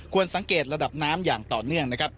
สังเกตระดับน้ำอย่างต่อเนื่องนะครับ